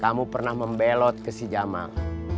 kamu pernah membelot ke si jamak